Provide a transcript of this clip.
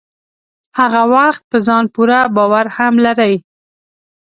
هغه وخت په ځان پوره باور هم لرئ.